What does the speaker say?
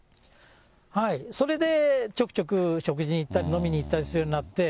それでちょくちょく食事に行ったり、飲みに行ったりするようになって。